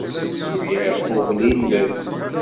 Asensu-a iqubel ilel.